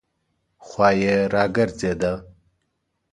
خوا یې راګرځېده.